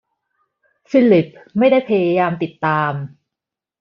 ฟิลิปไม่ได้พยายามติดตาม